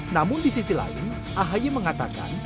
namun di sisi lain ahy mengatakan